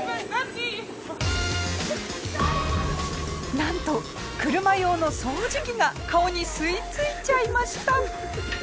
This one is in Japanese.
なんと車用の掃除機が顔に吸い付いちゃいました！